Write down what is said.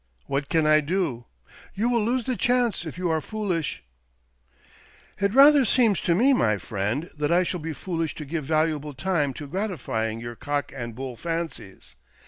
What can I do ? You will lose the chance if you are foolish !"" It rather seems to me, my friend, that I shall be foolish to give valuable time to gratifying your cock and bull fancies.